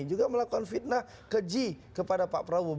juga melakukan fitnah keji kepada pak prabowo